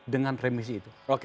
dengan remisi itu